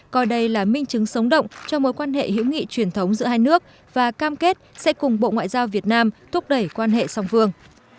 coi đây là minh chứng sống động cho mối quan hệ hữu nghị truyền thống giữa hai nước và cam kết sẽ cùng bộ ngoại giao việt nam thúc đẩy quan hệ song phương